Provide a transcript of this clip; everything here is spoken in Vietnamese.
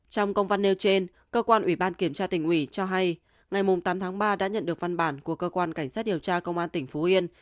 trong công văn nêu trên cơ quan ủy ban kiểm tra tỉnh ủy cho hay ngày tám tháng ba đã nhận được văn bản của cơ quan cảnh sát điều tra công an tỉnh phú yên